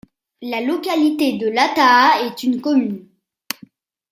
La localité de Lataha est une commune.